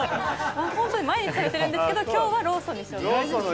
ホントに毎日食べてるんですけど今日はローソンにしておきます。